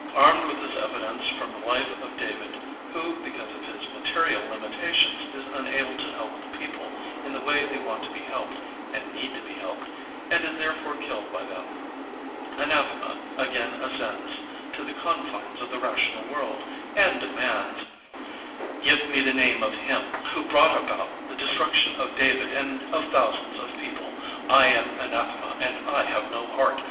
Armed with this evidence from the life of David, who because of his material limitations is unable to help the people in the way they want to be helped and need to be helped, and is therefore killed by them, Anathema again ascends to the confines of the rational world, and demands: Give me the name of him T/ho brought about the destruction of David and of thousands of people. I am Anathema and I have no heart.